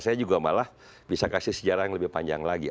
saya juga malah bisa kasih sejarah yang lebih panjang lagi